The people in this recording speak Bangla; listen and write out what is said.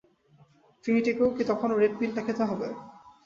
ট্রিনিটিকে কি তখনও রেড পিলটা খেতে হবে?